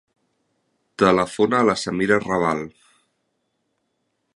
Telefona a la Samira Rabal.